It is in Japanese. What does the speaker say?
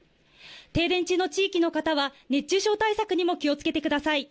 停電中の地域の方は、熱中症対策にも気をつけてください。